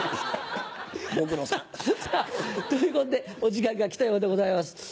ご苦労さん。ということでお時間が来たようでございます。